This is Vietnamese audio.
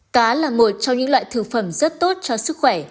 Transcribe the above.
cá là một trong những loại thực phẩm rất tốt cho sức khỏe